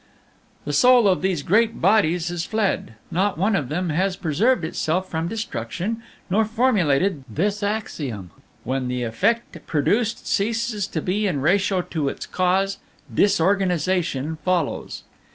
The soul of those great bodies has fled. Not one of them has preserved itself from destruction, nor formulated this axiom: When the effect produced ceases to be in a ratio to its cause, disorganization follows.